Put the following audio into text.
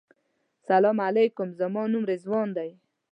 سلام علیکم زما نوم رضوان دی.